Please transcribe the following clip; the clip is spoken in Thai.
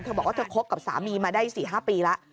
บอกว่าเธอคบกับสามีมาได้๔๕ปีแล้ว